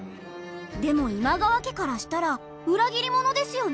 でも今川家からしたら裏切り者ですよね？